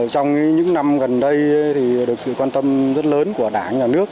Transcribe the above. trong những năm gần đây được sự quan tâm rất lớn của đảng nhà nước